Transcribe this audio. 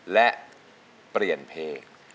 และเปลี่ยนเพลง